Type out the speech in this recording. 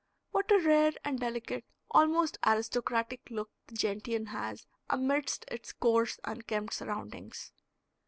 What a rare and delicate, almost aristocratic look the gentian has amid its coarse, unkempt surroundings.